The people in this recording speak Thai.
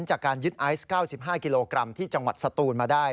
จากการยึดไอซ์๙๕กิโลกรัมที่จังหวัดสตูนมาได้